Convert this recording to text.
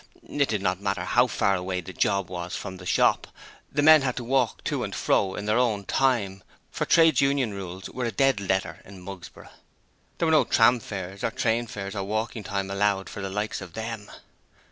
It did not matter how far away the 'job' was from the shop, the men had to walk to and fro in their own time, for Trades Union rules were a dead letter in Mugsborough. There were no tram fares or train fares or walking time allowed for the likes of them.